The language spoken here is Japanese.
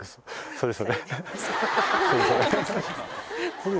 そうです。